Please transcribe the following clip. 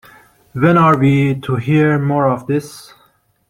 When are we to hear more of this?